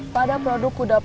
pada produk kudang